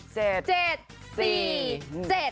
เจ็ด